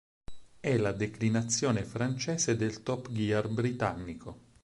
È la "declinazione" francese del Top Gear britannico.